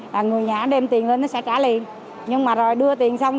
là người nhà đem tiền lên nó sẽ trả tiền nhưng mà rồi đưa tiền xong